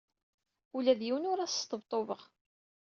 Ula d yiwen ur as-sṭebṭubeɣ.